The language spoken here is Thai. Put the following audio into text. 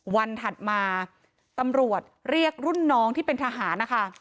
ถัดมาตำรวจเรียกรุ่นน้องที่เป็นทหารนะคะ